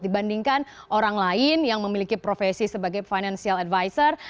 dibandingkan orang lain yang memiliki profesi sebagai financial advisor